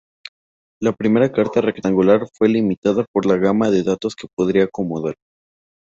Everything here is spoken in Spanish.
La primera carta rectangular fue limitada por la gama de datos que podría acomodar.